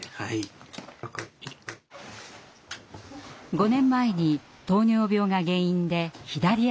５年前に糖尿病が原因で左脚を切断。